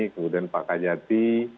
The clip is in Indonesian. kemudian pak kajati